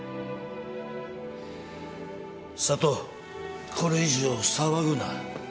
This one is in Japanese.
佐都これ以上騒ぐな。